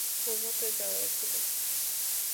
ঘুমোতে যাও, এখুনি!